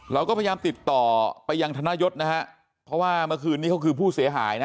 เราก็พยายามติดต่อไปยังธนยศนะฮะเพราะว่าเมื่อคืนนี้เขาคือผู้เสียหายนะ